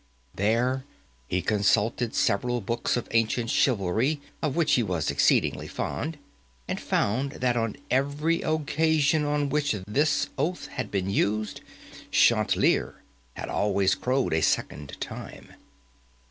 There he consulted several books of ancient chivalry, of which he was exceedingly fond, and found that, on every occasion on which this oath had been used, Chanticleer had always crowed a second time.